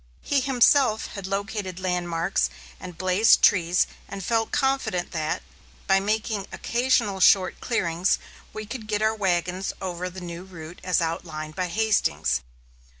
He himself had located landmarks and blazed trees and felt confident that, by making occasional short clearings, we could get our wagons over the new route as outlined by Hastings.